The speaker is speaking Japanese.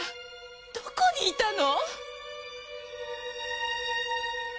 どこにいたの？